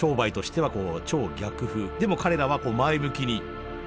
でも彼らは前向きに。